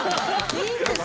いいんですか？